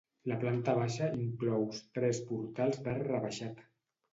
La planta baixa inclous tres portals d'arc rebaixat.